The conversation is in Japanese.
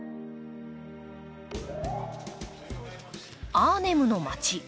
アーネムの街。